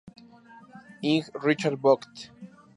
Ing Richard Vogt.